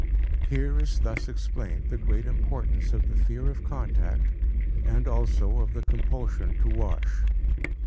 Here is thus explained the great importance of the fear of contact and also of the compulsion to wash.